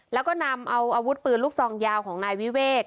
แล้วก็นำเอาอาวุธปืนลูกซองยาวของนายวิเวก